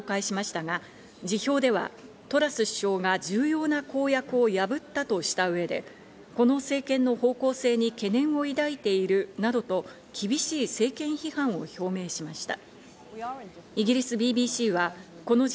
ブレーバーマン氏はトラス首相宛ての辞表を公開しましたが、辞表ではトラス首相が重要な公約を破ったとした上で、この政権の方向性に懸念を抱いているなどと厳しい政権批判を表明しました。